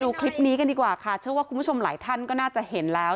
ดูคลิปนี้กันดีกว่าค่ะเชื่อว่าคุณผู้ชมหลายท่านก็น่าจะเห็นแล้ว